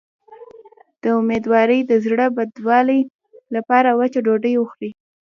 د امیدوارۍ د زړه بدوالي لپاره وچه ډوډۍ وخورئ